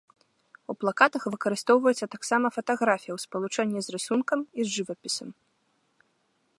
У плакатах выкарыстоўваецца таксама фатаграфія ў спалучэнні з рысункам і з жывапісам.